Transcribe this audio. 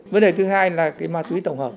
vấn đề thứ hai là ma túy tổng hợp